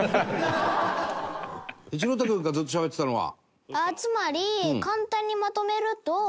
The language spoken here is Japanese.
一朗太君かずっとしゃべってたのは。